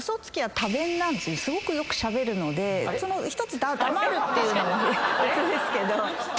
すごくよくしゃべるのでひとつ黙るっていうのも別ですけど。